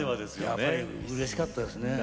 やっぱりうれしかったですね。